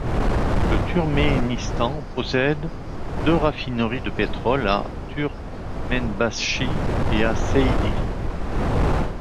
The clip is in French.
Le Turménistan possède deux raffineries de pétrole, à Türkmenbaşy et à Seydi.